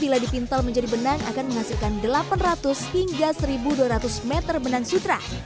bila dipintal menjadi benang akan menghasilkan delapan ratus hingga satu dua ratus meter benang sutra